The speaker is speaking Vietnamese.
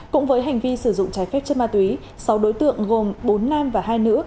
cũng với hành vi sử dụng trái phép chất ma túy sáu đối tượng gồm bốn nam và hai nữ